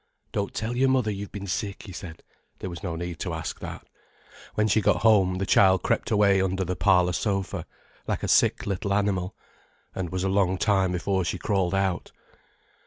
"Don't tell your mother you've been sick," he said. There was no need to ask that. When she got home, the child crept away under the parlour sofa, like a sick little animal, and was a long time before she crawled out.